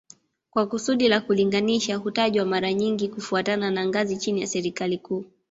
Kwa kusudi la kulinganisha hutajwa mara nyingi kufuatana na ngazi chini ya serikali kuu